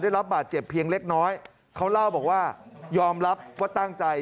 ได้รับบาดเจ็บเพียงเล็กน้อยเขาเล่าบอกว่ายอมรับว่าตั้งใจ